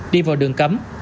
đi vào đường cấm